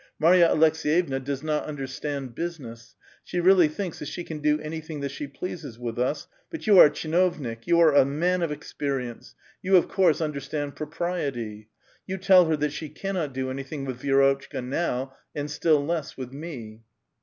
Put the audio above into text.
Marya Aleks<5yevna does not understand business ; she really thinks tluit siio can do anything that she pleases with us ; but you are a tchiiiovnik, 3'ou are a man of experience ; you of course understand propriety. You tell her that she cannot do any thing with Vi^rotchka now, and still less with me."